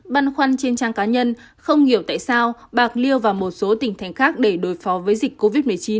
băn khoăn trên trang cá nhân không hiểu tại sao bạc liêu và một số tỉnh thành khác để đối phó với dịch covid một mươi chín